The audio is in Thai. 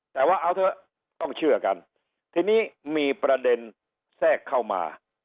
แต่ว่าเอาเถอะต้องเชื่อกันทีนี้มีประเด็นแทรกเข้ามา